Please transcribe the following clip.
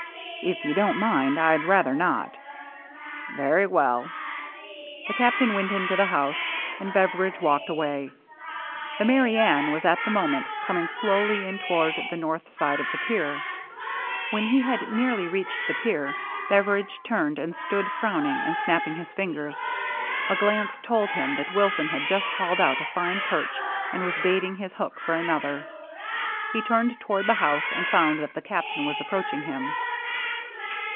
" If you don't mind, I'd rather not." " Very well." The Captain went into the house ; and Bev eridge walked away. The Merry Anne was at the moment coming slowly in toward the north side of the pier. When he had nearly reached the pier, Bev eridge turned and stood frowning and snapping his fingers. A glance told him that Wilson had just hauled out a fine perch and was bait ing his hook for another. He turned toward DRAWING TOGETHER 185 the house, and found that the Captain was approaching him.